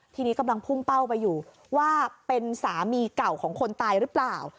ทีนี้กำลังพุ่งเป้าไปอยู่ว่าเป็นสามีเก่าของคนตายหรือเปล่า